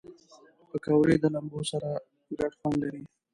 پکورې د لمبو سره ګډ خوند لري